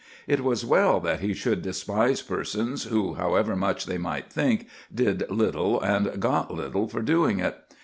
It was well that he should despise persons who, however much they might think, did little and got little for doing it.